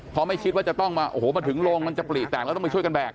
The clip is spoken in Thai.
เพราะไม่คิดว่าจะต้องมาโอ้โหมาถึงโรงมันจะปลีแตกแล้วต้องไปช่วยกันแบก